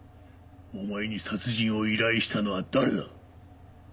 お前に殺人を依頼したのは誰だ？